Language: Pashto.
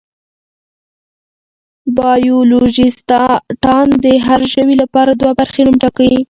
بایولوژېسټان د هر ژوي لپاره دوه برخې نوم ټاکي.